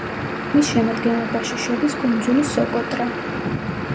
მის შემადგენლობაში შედის კუნძული სოკოტრა.